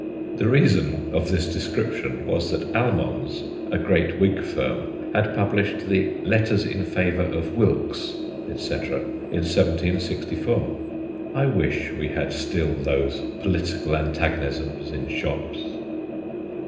1 The reason of this description was that Almon's, a great Whig firm, had published the Letters in Favour of Wilkes, etc., in 1764. I wish we had still those political antagonisms in shops.